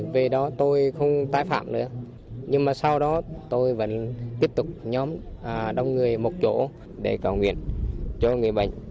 vì đó tôi không tái phạm nữa nhưng mà sau đó tôi vẫn tiếp tục nhóm đông người một chỗ để cầu nguyện cho người bệnh